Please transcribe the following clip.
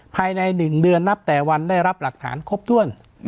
ภายใน๑เดือนนับแต่วันได้รับหลักฐานครบถ้วน